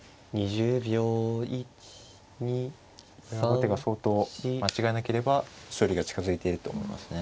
後手が相当間違えなければ勝利が近づいていると思いますね。